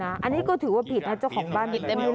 อันนี้ก็ถือว่าผิดนะเจ้าของบ้าน